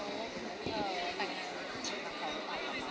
แต่เขากลับไปหรือเปล่า